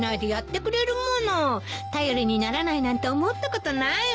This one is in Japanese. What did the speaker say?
頼りにならないなんて思ったことないわ。